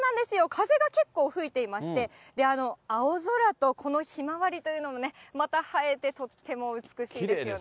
風が結構吹いていまして、青空と、このひまわりというのがまた映えて、とっても美しいですよね。